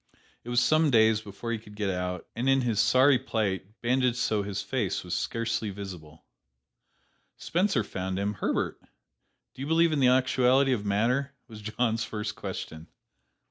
It was some days before he could get out, and in his sorry plight, bandaged so his face was scarcely visible, Spencer found him. "Herbert, do you believe in the actuality of matter?" was John's first question.